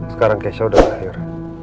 sekarang kesya udah lahir